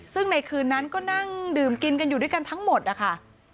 ซึ่งในคืนนั้นก็นั่งดื่มกินกันอยู่ด้วยกันทั้งหมดนะคะ